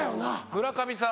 村上さん